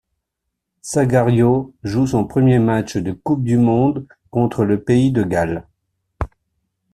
Sagario joue son premier match de Coupe du monde contre le pays de Galles.